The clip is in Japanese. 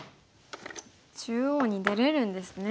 中央に出れるんですね。